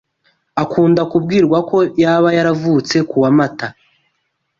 akunda kumbwira ko yaba yaravutse kuwa Mata